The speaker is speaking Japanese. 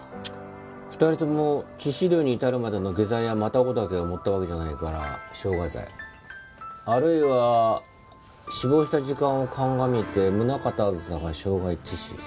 ２人とも致死量に至るまでの下剤やマタゴダケを盛ったわけじゃないから傷害罪あるいは死亡した時間を鑑みて宗形あずさが傷害致死。